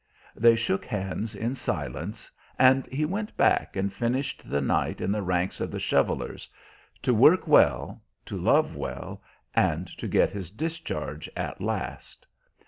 They shook hands in silence, and he went back and finished the night in the ranks of the shovelers, to work well, to love well, and to get his discharge at last.